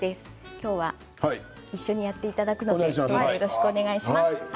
今日は一緒にやっていただくのでよろしくお願いします。